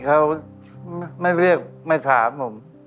เขาไม่เรียกไม่ถามผม